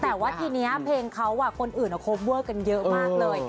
แต่ว่าทีนี้เพลงเขาคนอื่นโคเวอร์กันเยอะมากเลย